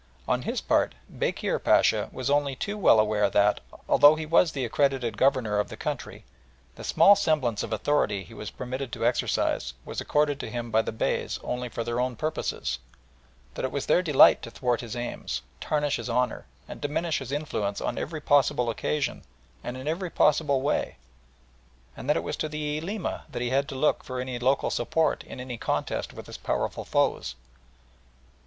On his part Bekir Pacha was only too well aware that, although he was the accredited Governor of the country, the small semblance of authority he was permitted to exercise was accorded to him by the Beys only for their own purposes; that it was their delight to thwart his aims, tarnish his honour, and diminish his influence on every possible occasion and in every possible way, and that it was to the Ulema that he had to look for any local support in any contest with his powerful foes.